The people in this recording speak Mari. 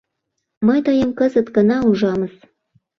— Мый тыйым кызыт гына ужамыс.